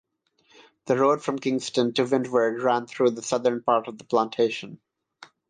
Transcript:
The road from Kingston to Windward ran through the southern part of the plantation.